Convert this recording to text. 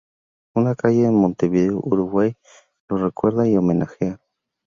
Una calle en Montevideo, Uruguay, lo recuerda y homenajea.